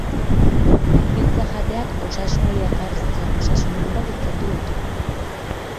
Pizza jateak osasunari dakarzkion osasun onurak ikertu ditu.